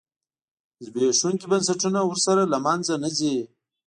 زبېښونکي بنسټونه ورسره له منځه نه ځي.